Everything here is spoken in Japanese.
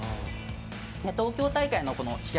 東京大会の試合